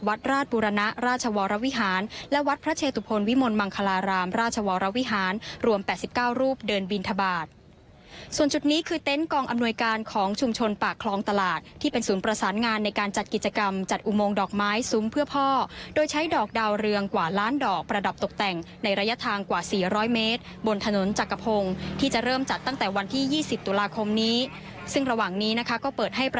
สวัสดีคุณครับสวัสดีคุณครับสวัสดีคุณครับสวัสดีคุณครับสวัสดีคุณครับสวัสดีคุณครับสวัสดีคุณครับสวัสดีคุณครับสวัสดีคุณครับสวัสดีคุณครับสวัสดีคุณครับสวัสดีคุณครับสวัสดีคุณครับสวัสดีคุณครับสวัสดีคุณครับสวัสดีคุณครับสวัสดีคุณครับ